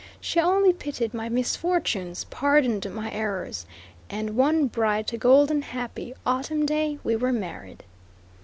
She only pitied my misfortunes, pardoned my errors, and, one bright, golden, happy autumn day, we were married.